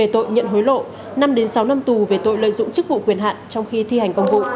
tội nhận hối lộ năm đến sáu năm tù lợi dụng chức vụ quyền hạng trong khi thi hành công vụ